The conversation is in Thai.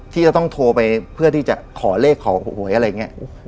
ที่จะต้องโทรไปเพื่อที่จะขอเลขขอหวยอะไรอย่างนี้